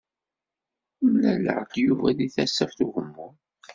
Mlaleɣ-d Yuba deg Tasaft Ugemmun.